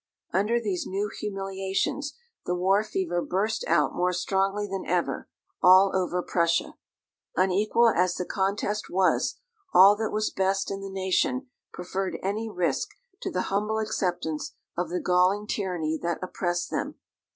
Under these new humiliations, the war fever burst out more strongly than ever, all over Prussia. Unequal as the contest was, all that was best in the nation preferred any risk to the humble acceptance of the galling tyranny that oppressed them.